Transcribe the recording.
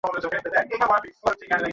তুমি গাড়িতে থাকো।